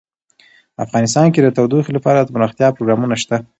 افغانستان کې د تودوخه لپاره دپرمختیا پروګرامونه شته.